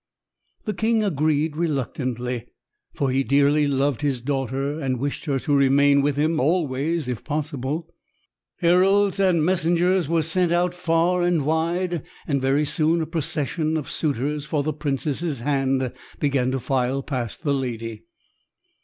The king agreed reluctantly, for he dearly loved his daughter and wished her to remain with him always if possible. Heralds and messengers were sent out far and wide, and very soon a procession of suitors for the princess' hand began to file past the lady.